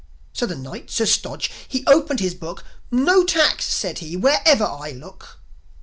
So the Knight, Sir Stodge, he opened his Book. "No tax," said he, "wherever I look."